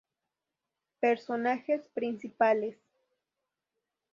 Personajes principales.